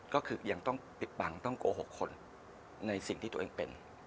ก็คือยังต้องปิดบังต้องโกหกคนในสิ่งที่ตัวเองเป็น